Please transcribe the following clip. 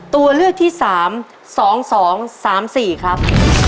ตัวเลือกที่๓๒๒๓๔ครับ